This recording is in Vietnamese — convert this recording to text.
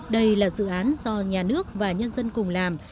đây là dự án do nhà nước và nhân dân cùng làm